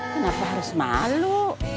kenapa harus malu